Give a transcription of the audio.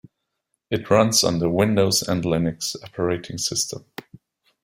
It runs on the Windows and Linux operating systems.